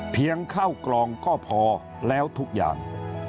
เพียงเข้ากล่องก็พอแล้วทุกอย่าง